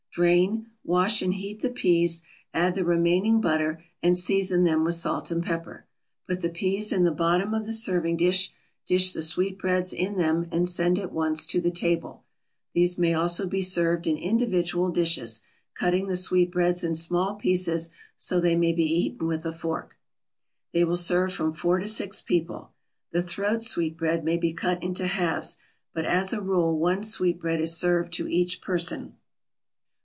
Drain, wash and heat the peas, add the remaining butter and season them with salt and pepper. Put the peas in the bottom of the serving dish, dish the sweetbreads in them and send at once to the table. These may also be served in individual dishes, cutting the sweetbreads in small pieces, so they may be eaten with a fork. They will serve from four to six people. The throat sweetbread may be cut into halves, but as a rule one sweetbread is served to each person.